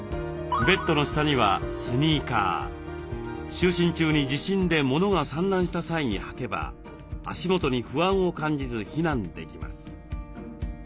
就寝中に地震でものが散乱した際に履けば足元に不安を感じず避難できます。